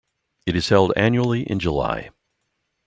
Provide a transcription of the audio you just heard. It is held annually in July.